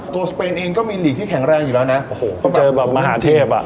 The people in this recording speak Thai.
สเปนเองก็มีหลีกที่แข็งแรงอยู่แล้วนะโอ้โหต้องเจอแบบมหาเทพอ่ะ